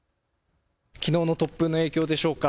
きのうの突風の影響でしょうか。